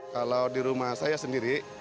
kalau di rumah saya sendiri